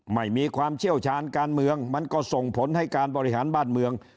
ไม่มีความเชี่ยวชาญการเมืองมันก็ส่งผลให้การบริหารบ้านเมือง